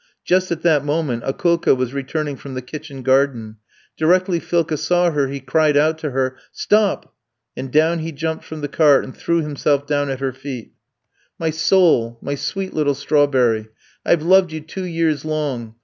Just at that moment Akoulka was returning from the kitchen garden. Directly Philka saw her he cried out to her: "'Stop!' and down he jumped from the cart and threw himself down at her feet. "'My soul, my sweet little strawberry, I've loved you two years long.